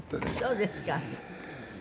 そうですか。